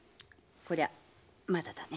こりゃまだだね。